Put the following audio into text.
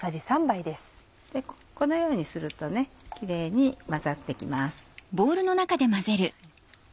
このようにするとキレイに混ざって行きます。